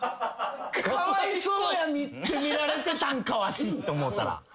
かわいそうやって見られてたんかわしって思ったら。